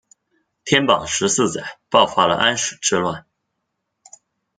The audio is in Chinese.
天宝十四载爆发了安史之乱。